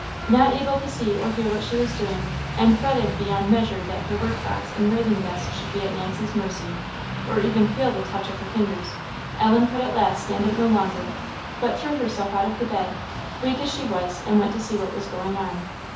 Not able to see or hear what she was doing, and fretted beyond measure that her work box and writing desk should be at Nancy's mercy, or even feel the touch of her fingers, Ellen at last could stand it no longer, but threw herself out of the bed, weak as she was, and went to see what was going on.